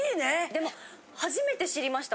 でも初めて知りました。